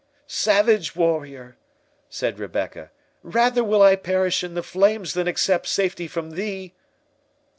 "Savage warrior," said Rebecca, "rather will I perish in the flames than accept safety from thee!"